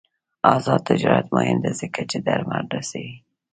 آزاد تجارت مهم دی ځکه چې درمل رسوي.